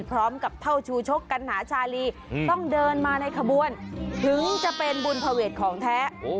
เท่าชูชกกันหาชาลีต้องเดินมาในขบวนถึงจะเป็นบุญภเวทของแท้